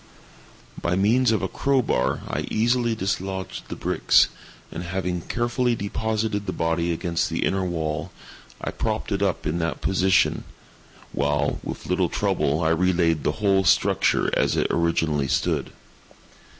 By means of a crow bar I easily dislodged the bricks, and, having carefully deposited the body against the inner wall, I propped it in that position, while, with little trouble, I re laid the whole structure as it originally stood.